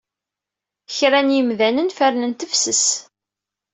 Kra n yimdanen fernen tefses.